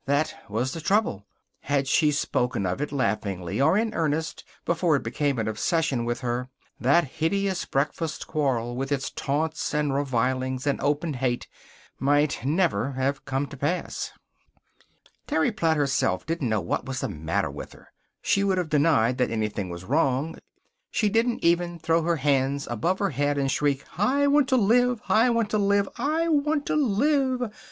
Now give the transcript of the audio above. That was the trouble. Had she spoken of it, laughingly or in earnest, before it became an obsession with her, that hideous breakfast quarrel, with its taunts, and revilings, and open hate, might never have come to pass. Terry Platt herself didn't know what was the matter with her. She would have denied that anything was wrong. She didn't even throw her hands above her head and shriek: "I want to live! I want to live! I want to live!"